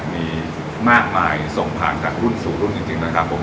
มีมากมายส่งผ่านจากรุ่นสู่รุ่นจริง